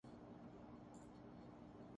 legend مزاحیہ اداکار لطیف منا انتقال کر گئے